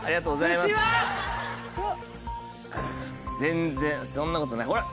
全然そんなことないほら。